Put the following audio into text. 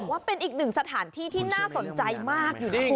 บอกว่าเป็นอีกหนึ่งสถานที่ที่น่าสนใจมาก